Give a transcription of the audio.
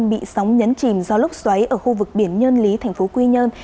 bị sóng nhấn chìm do lốc xoáy ở khu vực biển nhân lý thành phố quy nhơn